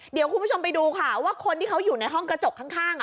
เดี๋ยวคุณผู้ชมไปดูค่ะว่าคนที่เขาอยู่ในห้องกระจกข้าง